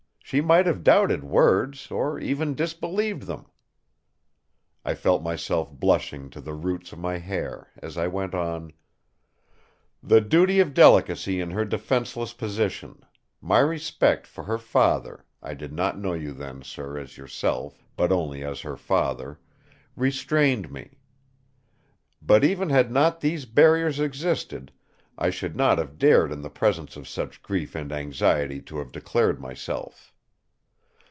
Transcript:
She might have doubted words, or even disbelieved them." I felt myself blushing to the roots of my hair as I went on: "The duty of delicacy in her defenceless position; my respect for her father—I did not know you then, sir, as yourself, but only as her father—restrained me. But even had not these barriers existed, I should not have dared in the presence of such grief and anxiety to have declared myself.